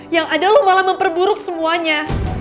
yang ada lo malah memperburuk semuanya